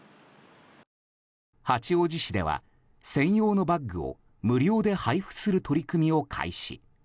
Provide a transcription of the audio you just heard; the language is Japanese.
八王子市では専用のバッグを無料で配布する取り組みを開始。